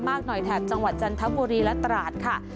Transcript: มากหน่อยแถบจังหวัดจันทบุรีและตราดค่ะ